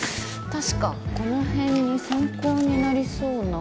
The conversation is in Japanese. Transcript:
確かこの辺に参考になりそうな本。